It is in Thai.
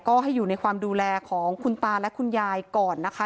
ก็ให้อยู่ในความดูแลของคุณตาและคุณยายก่อนนะคะ